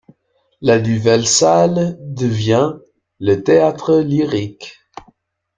La nouvelle salle devient le Théâtre-Lyrique.